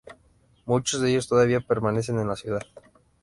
Muchos de ellos todavía permanecen en la ciudad.